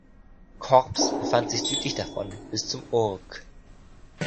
Korps befand sich südlich davon bis zum Ourcq.